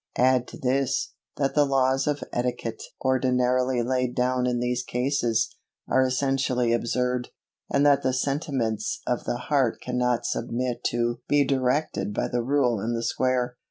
Add to this, that the laws of etiquette ordinarily laid down in these cases, are essentially absurd, and that the sentiments of the heart cannot submit to be directed by the rule and the square.